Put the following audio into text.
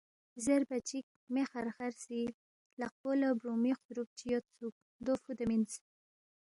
زیربا چِک مے خرخرمو سی لقپو لہ بُورُومی خسُورُوب چی یودسُوک، دو فُودے مِنس